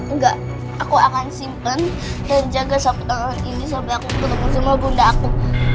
enggak aku akan simpen dan jaga ini sampai aku ketemu semua bunda aku